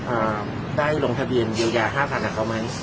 อ่าได้ลงทะเบียนเดียวยา๕๐๐๐บาทเขามั้ย